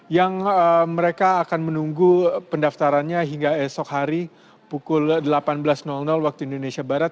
yang mereka akan menunggu pendaftarannya hingga esok hari pukul delapan belas waktu indonesia barat